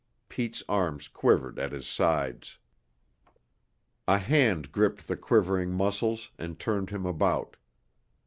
Pete's arms quivered at his sides. A hand gripped the quivering muscles and turned him about.